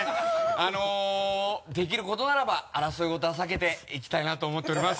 あのできることならば争いごとは避けていきたいなと思っております。